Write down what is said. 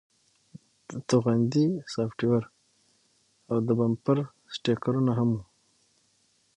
د توغندي سافټویر او د بمپر سټیکرونه هم وو